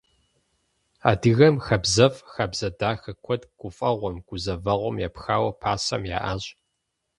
Адыгэм хабзэфӀ, хабзэ дахэ куэд гуфӀэгъуэм, гузэвэгъуэм епхауэ пасэм яӀащ.